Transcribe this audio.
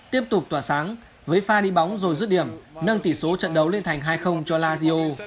tiếp tục tỏa sáng với pha đi bóng rồi rước điểm nâng tỷ số trận đấu lên thành hai cho lazio